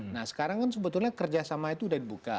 nah sekarang kan sebetulnya kerjasama itu sudah dibuka